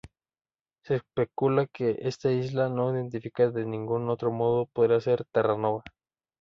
Se especula que esta isla, no identificada de ningún otro modo, podría ser Terranova.